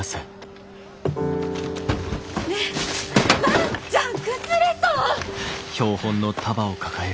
ねえ万ちゃん崩れそう！